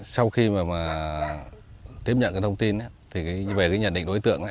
sau khi mà tiếp nhận thông tin về nhận định đối tượng